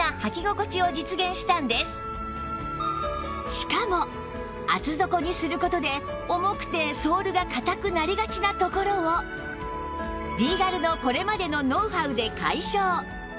しかも厚底にする事で重くてソールが硬くなりがちなところをリーガルのこれまでのノウハウで解消